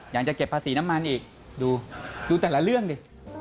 อยากจะเก็บภาษีน้ำมันอีกดูดูแต่ละเรื่องดิ